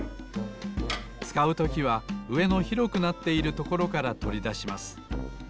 つかうときはうえの広くなっているところからとりだします。